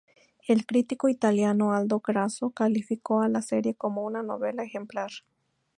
El crítico italiano Aldo Grasso calificó a la serie como "una novela ejemplar".